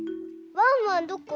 ワンワンどこ？